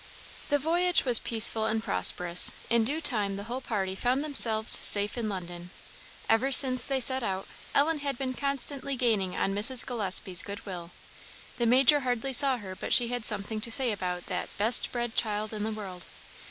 The voyage was peaceful and prosperous; in due time the whole party found themselves safe in London. Ever since they set out, Ellen had been constantly gaining on Mrs. Gillespie's good will; the Major hardly saw her but she had something to say about that "best bred child in the world."